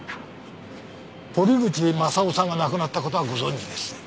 堀口政夫さんが亡くなったことはご存じですね？